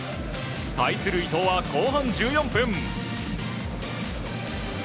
対する伊東は後半１４分。